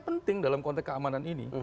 penting dalam konteks keamanan ini